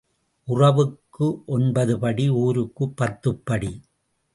உறவுக்கு ஒன்பது படி ஊருக்குப் பத்துப் படி.